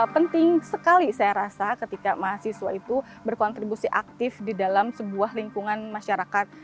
penting sekali saya rasa ketika mahasiswa itu berkontribusi aktif di dalam sebuah lingkungan masyarakat